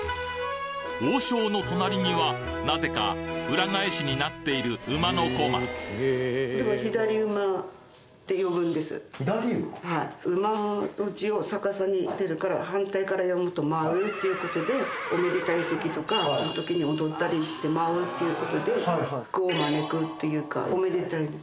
王将の隣にはなぜか裏返しになっている馬の駒馬の字を逆さにしてるから反対から読むと「まう」ということでおめでたい席とかの時に踊ったりして舞うっていうことで福を招くっていうかおめでたいです。